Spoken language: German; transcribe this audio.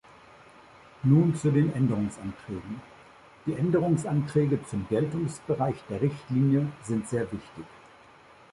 Nun zu den Änderungsanträgen: die Änderungsanträge zum Geltungsbereich der Richtlinie sind sehr wichtig.